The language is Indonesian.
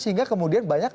sehingga kemudian banyak